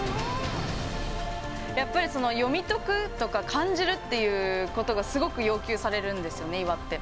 やっぱり読み解くとか、感じるっていうことがすごく要求されるんですよね、岩って。